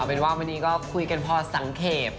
เป็นว่าวันนี้ก็คุยกันพอสังเกต